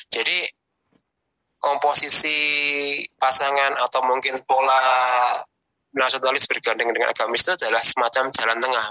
jadi komposisi pasangan atau mungkin pola nasionalis berganding dengan agamis itu adalah semacam jalan tengah